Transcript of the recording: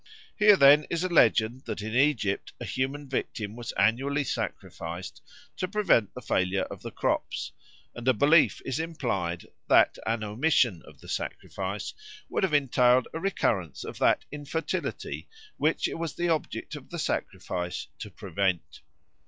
Here then is a legend that in Egypt a human victim was annually sacrificed to prevent the failure of the crops, and a belief is implied that an omission of the sacrifice would have entailed a recurrence of that infertility which it was the object of the sacrifice to prevent.